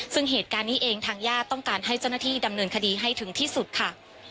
ซึ่งเหตุการณ์นี้เองทางญาติต้องการให้เจ้าหน้าที่ดำเนินคดีให้ถึงที่สุดค่ะ